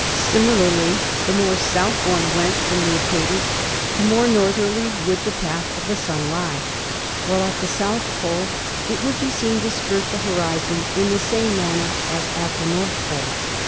Similarly the more south one went from the equator the more northerly would the path of the Sun lie, while at the south pole it would be seen to skirt the hori zone in the same manner as at the north pole.